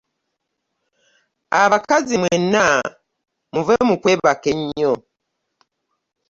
Abakazi mwena muve mu kwebaka ennyo.